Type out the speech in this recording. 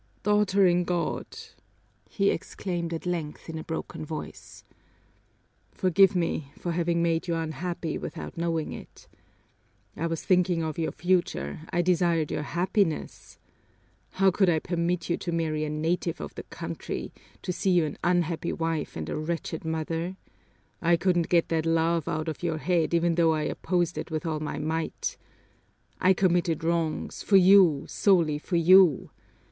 "Daughter in God," he exclaimed at length in a broken voice, "forgive me for having made you unhappy without knowing it. I was thinking of your future, I desired your happiness. How could I permit you to marry a native of the country, to see you an unhappy wife and a wretched mother? I couldn't get that love out of your head even though I opposed it with all my might. I committed wrongs, for you, solely for you.